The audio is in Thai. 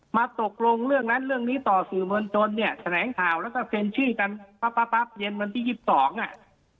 มาตกลงเรื่องนั้นเรื่องนี้ต่อสื่อมวลชนเนี่ยแถลงข่าวแล้วก็เซ็นชื่อกันปั๊บปั๊บเย็นวันที่๒๒อ่ะ